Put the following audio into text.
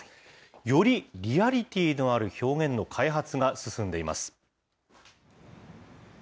よりリアリティーのある表現の開発が進んでいます。